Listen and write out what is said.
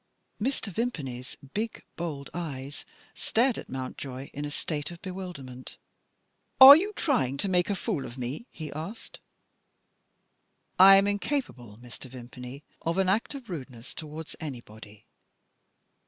Mr. Vimpany's big bold eyes stared at Mountjoy in a state of bewilderment. "Are you trying to make a fool of me?" he asked. "I am incapable, Mr. Vimpany, of an act of rudeness towards anybody."